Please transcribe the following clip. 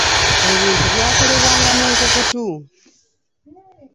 Ebintu byakolebwanga mu nkukutu.